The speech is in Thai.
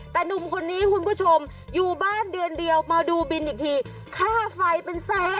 แต่หนุ่มคนนี้คุณผู้ชมอยู่บ้านเดือนเดียวมาดูบินอีกทีค่าไฟเป็นแสน